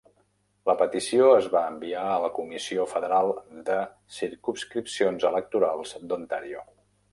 La petició es va enviar a la Comissió Federal de Circumscripcions Electorals d"Ontario.